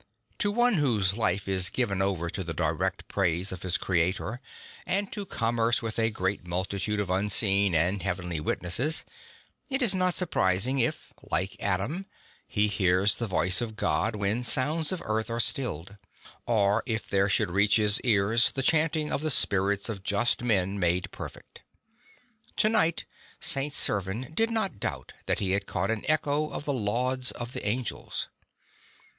To one whose life is given over to the direct praise of his Creator, and to commerce with a great multitude of unseen and heavenly witnesses, it is not surpris ing if, like Adam, he hears the voice of God when sounds of earth are stilled, or if there should reach his ears the chanting of the spirits of just men made perfect. To night St. Servan did not doubt that he had caught an echo of the Lauds of the Angels.